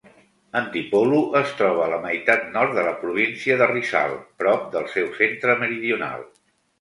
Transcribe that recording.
Antipolo es troba a la meitat nord de la província de Rizal, prop del seu centre meridional.